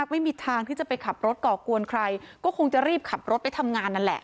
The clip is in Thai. ไม่มีทางที่จะไปขับรถก่อกวนใครก็คงจะรีบขับรถไปทำงานนั่นแหละ